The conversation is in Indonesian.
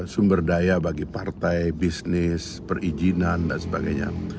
sumber daya bagi partai bisnis perizinan dan sebagainya